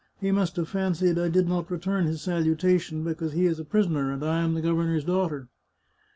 He must have fancied I did not return his salutation because he is a prisoner, and I am the governor's daughter."